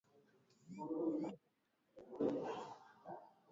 na pengine hii inaweza ikawa katika soka ilishangaza wengi nchini kenya fc leopards